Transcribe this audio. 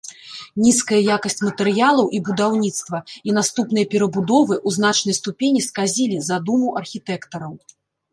Нізкая якасць матэрыялаў і будаўніцтва і наступныя перабудовы ў значнай ступені сказілі задуму архітэктараў.